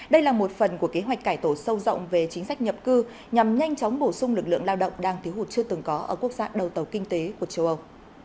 đây là một phần của kế hoạch cải tổ sâu rộng về chính sách nhập cư nhằm nhanh chóng bổ sung lực lượng lao động đang thiếu hụt chưa từng có ở quốc gia đầu tàu kinh tế của châu âu